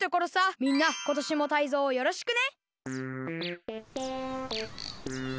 みんなことしもタイゾウをよろしくね。